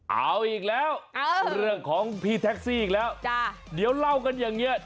เอาอีกแล้วเรื่องของพี่แท็กซี่อีกแล้วเดี๋ยวเล่ากันอย่างนี้